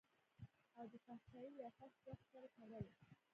او دفحاشۍ يا فحش رقص سره تړل